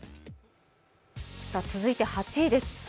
続いて８位です。